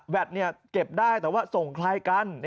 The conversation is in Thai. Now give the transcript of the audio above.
เนี่ยเก็บได้แต่ว่าส่งใครกัน